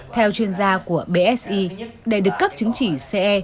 theo chuyên gia của bsi để được cấp chứng chỉ ce